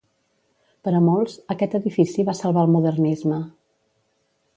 Per a molts, aquest edifici va salvar el modernisme.